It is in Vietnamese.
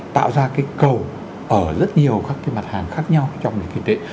tạo ra cái cầu ở rất nhiều các cái mặt hàng khác nhau trong nền kinh tế